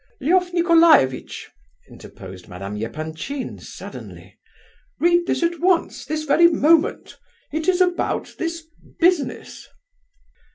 "Lef Nicolaievitch!" interposed Madame Epanchin, suddenly, "read this at once, this very moment! It is about this business."